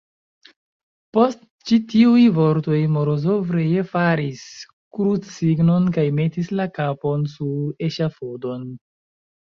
Post ĉi tiuj vortoj Morozov ree faris krucsignon kaj metis la kapon sur eŝafodon.